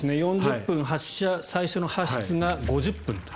４０分に発射最初の発出が５０分と。